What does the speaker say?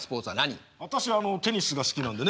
私あのテニスが好きなんでね。